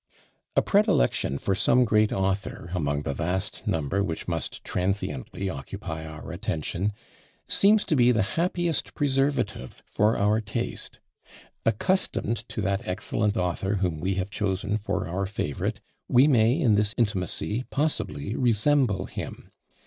A predilection for some great author, among the vast number which must transiently occupy our attention, seems to be the happiest preservative for our taste: accustomed to that excellent author whom we have chosen for our favourite, we may in this intimacy possibly resemble him.